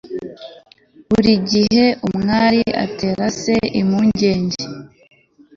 buri gihe umwari atera se impungenge